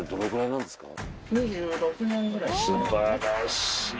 すばらしい。